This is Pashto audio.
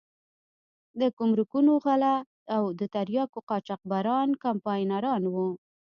د ګمرکونو غله او د تریاکو قاچاقبران کمپاینران وو.